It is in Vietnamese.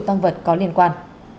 tăng vật có liên quan